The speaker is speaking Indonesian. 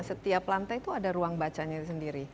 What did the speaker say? setiap lantai itu ada ruang bacanya sendiri